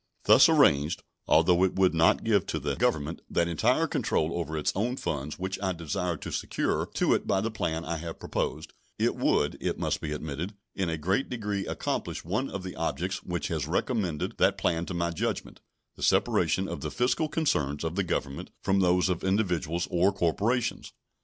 Thus arranged, although it would not give to the Government that entire control over its own funds which I desire to secure to it by the plan I have proposed, it would, it must be admitted, in a great degree accomplish one of the objects which has recommended that plan to my judgment the separation of the fiscal concerns of the Government from those of individuals or corporations.